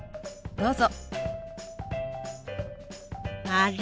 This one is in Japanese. どうぞ。